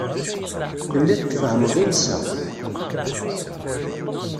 Telliḍ tfehhmeḍ iles-a.